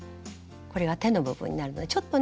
これは手の部分になるのでちょっとね